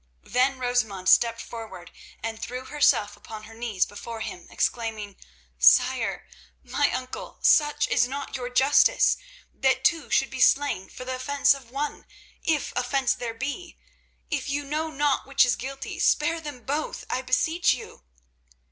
Then Rosamund stepped forward and threw herself upon her knees before him, exclaiming: "Sire, my uncle, such is not your justice, that two should be slain for the offence of one, if offence there be. If you know not which is guilty, spare them both, I beseech you."